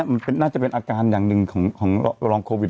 มันน่าจะเป็นอาการอย่างหนึ่งของรองโควิด